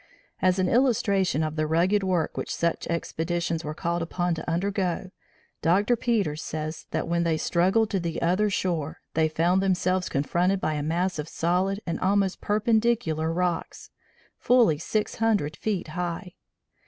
As an illustration of the rugged work which such expeditions were called upon to undergo, Dr. Peters says that when they struggled to the other shore, they found themselves confronted by a mass of solid and almost perpendicular rocks, fully six hundred feet high.